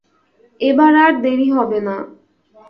এবার আর দেরি হবে না।